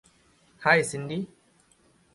High, সিন্ডি!